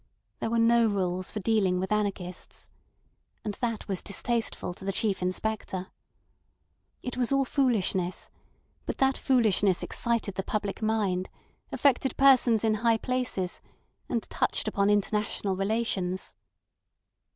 There were no rules for dealing with anarchists. And that was distasteful to the Chief Inspector. It was all foolishness, but that foolishness excited the public mind, affected persons in high places, and touched upon international relations.